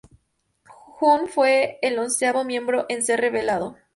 Jun fue el onceavo miembro en ser revelado.